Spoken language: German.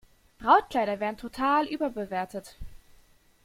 Brautkleider werden total überbewertet.